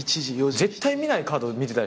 絶対見ないカード見てたね。